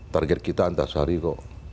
target kita antasari kok